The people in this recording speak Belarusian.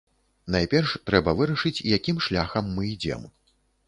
Найперш трэба вырашыць, якім шляхам мы ідзём.